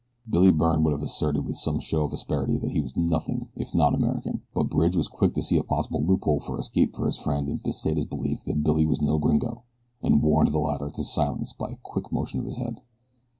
Billy Byrne would have asserted with some show of asperity that he was nothing if not American; but Bridge was quick to see a possible loophole for escape for his friend in Pesita's belief that Billy was no gringo, and warned the latter to silence by a quick motion of his head.